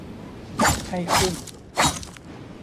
ไข้ขึ้น